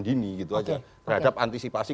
dini gitu aja terhadap antisipasi